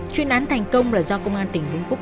chuyên án thành công là do công an tỉnh vĩnh phúc